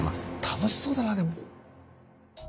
楽しそうだなでも。